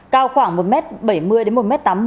cao khoảng một m bảy mươi một m tám mươi